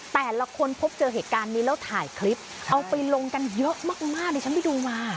แต่ละคนพบเจอเหตุการณ์นี้แล้วถ่ายคลิปเอาไปลงกันเยอะมากดิฉันไปดูมา